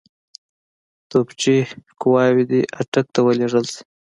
توپچي قواوې دي اټک ته ولېږل شي.